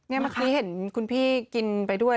เมื่อกี้เห็นคุณพี่กินไปด้วย